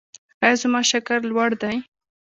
ایا زما شکر لوړ دی؟